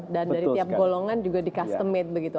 dan dari tiap golongan juga di custom made begitu